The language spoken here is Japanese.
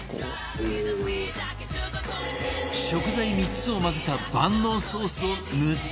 食材３つを混ぜた万能ソースを塗って焼くだけ